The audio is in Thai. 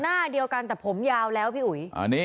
หน้าเดียวกันแต่ผมยาวแล้วพี่อุ๋ย